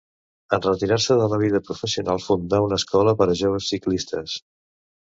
En retirar-se de la vida professional fundà una escola per a joves ciclistes.